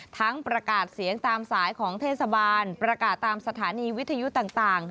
ประกาศเสียงตามสายของเทศบาลประกาศตามสถานีวิทยุต่าง